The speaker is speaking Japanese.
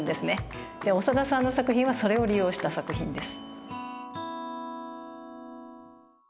長田さんの作品はそれを利用した作品です。